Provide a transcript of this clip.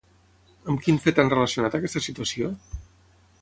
Amb quin fet han relacionat aquesta situació?